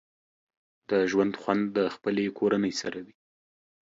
د ژوند خوند د خپلې کورنۍ سره وي